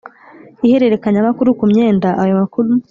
ihererekanyamakuru ku myenda ayo makuru